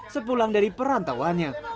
sepulang dari perantauannya